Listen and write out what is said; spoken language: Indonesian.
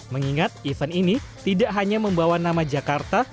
mengingat event ini tidak hanya membawa nama jakarta